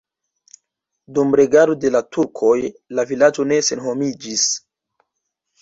Dum regado de la turkoj la vilaĝo ne senhomiĝis.